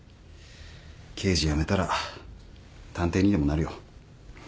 刑事辞めたら探偵にでもなるよ。